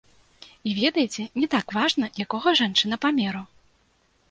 І ведаеце, не так важна, якога жанчына памеру.